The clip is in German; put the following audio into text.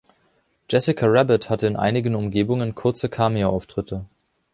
Jessica Rabbit hat in einigen Umgebungen kurze Cameo-Auftritte.